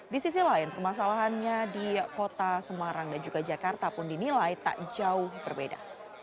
di sisi lain permasalahannya di kota semarang dan juga jakarta pun dinilai tak jauh berbeda